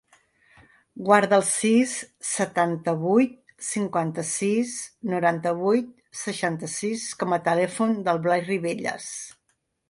Guarda el sis, setanta-vuit, cinquanta-sis, noranta-vuit, seixanta-sis com a telèfon del Blai Ribelles.